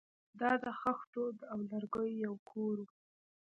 دا د خښتو او لرګیو یو کور و